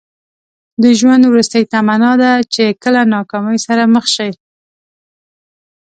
د ژوند وروستۍ تمنا ده چې کله ناکامۍ سره مخ شئ.